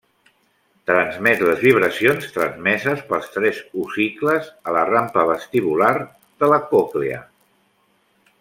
Transmet les vibracions transmeses pels tres ossicles a la rampa vestibular de la còclea.